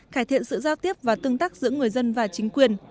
cải thiện sự giao tiếp và tương tác giữa người dân và chính quyền